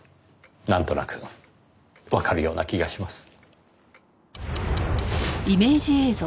なんとなくわかるような気がします。